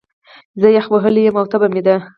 زه يخ وهلی يم، او تبه مې ده